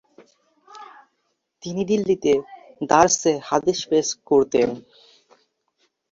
তিনি দিল্লিতে দরসে হাদিস পেশ করতেন।